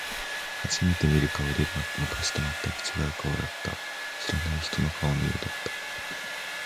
初めて見る顔で、昔と全く違う顔だった。知らない人の顔のようだった。